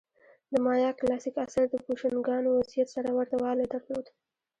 د مایا کلاسیک عصر د بوشونګانو وضعیت سره ورته والی درلود